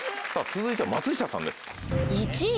続いては松下さんです。